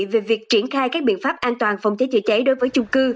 về việc triển khai các biện pháp an toàn phòng cháy chữa cháy đối với chung cư